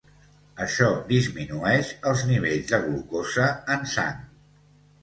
Això disminueix els nivells de glucosa en sang.